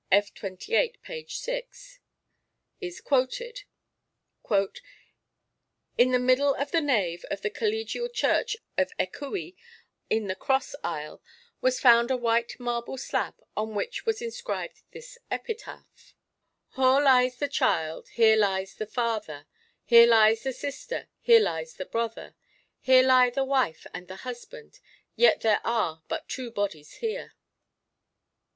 f. xxviii. p. 6) is quoted "In the middle of the nave of the collégial church of Ecouis, in the cross aisle, was found a white marble slab on which was inscribed this epitaph: "Hore lies the child, here lies the father, Here lies the sister, here lies the brother, Here lie the wife and the husband, Yet there are but two bodies here."